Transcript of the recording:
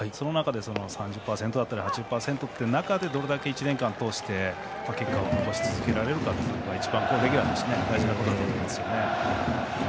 その中で３０％８０％といった中でどれだけ１年間を通して結果を残すかというのがレギュラーとして大事なことだと思います。